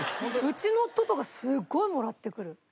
うちの夫とかすごいもらってくる。